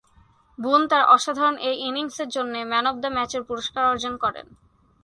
বুন তার অসাধারণ এ ইনিংসের জন্যে ম্যান অব দ্য ম্যাচের পুরস্কার অর্জন করেন।